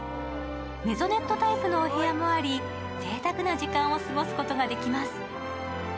メゾネットタイプのお部屋もあり、ぜいたくな時間を過ごすことができます。